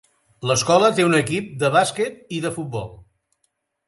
L'escola té un equip de bàsquet i de futbol.